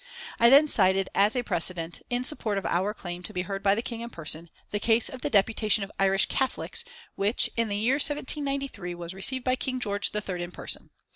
I then cited as a precedent in support of our claim to be heard by the King in person, the case of the Deputation of Irish Catholics, which, in the year 1793, was received by King George III in person.